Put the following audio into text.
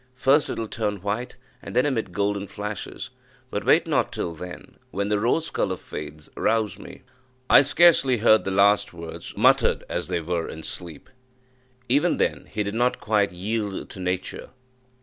First, it will turn white, and then emit golden flashes; but wait not till then; when the rose colour fades, rouse me." I scarcely heard the last words, muttered, as they were, in sleep. Even then he did not quite yield to nature.